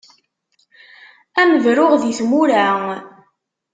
Ad am-bruɣ di tmura.